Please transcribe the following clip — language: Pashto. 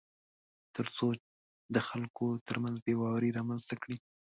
تر څو د خلکو ترمنځ بېباوري رامنځته کړي